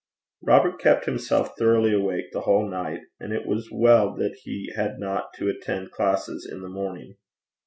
Robert kept himself thoroughly awake the whole night, and it was well that he had not to attend classes in the morning.